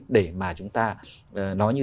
để mà chúng ta nói như